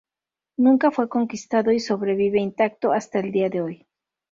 Nunca fue conquistado y sobrevive intacto hasta el día de hoy.